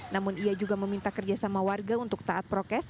namun ia juga meminta kerjasama warga untuk taat prokes